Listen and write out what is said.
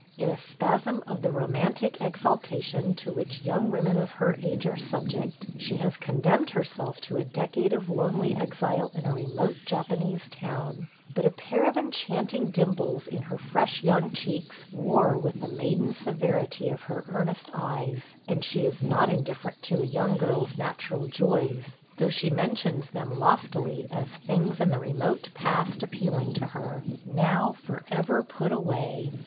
In a spasm of the romantic exaltation to which young women of her age are subject, she has condemned herself to a decade of lonely exile in a remote Japanese town; but a pair of enchanting dimples in her fresh young cheeks war with the maiden severity of her earnest eyes, and she is not indifferent to a young girl's natural joys, though she mentions them loftily as things in the remote past appealing to her – now forever put away.